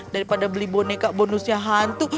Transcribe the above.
daripada beli boneka bonusnya hantu